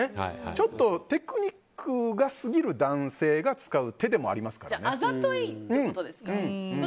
ちょっと、テクニックが過ぎる男性が使う手でもありますからね。